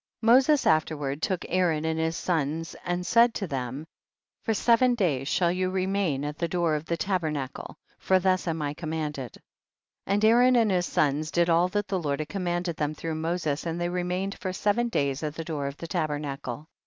2. Moses afterward took Aaron and his sons and said to them, for seven days shall you remain at the door of the tabernacle, for thus am I commanded. 3. And Aaron and his sons did all that the Lord had commanded them through Moses, and they remained for seven days at the door of the ta bernacle.